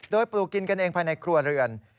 โดยปลูกกินกันเองภายในครัวเรือน